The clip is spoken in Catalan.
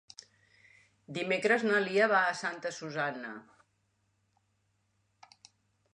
Dimecres na Lia va a Santa Susanna.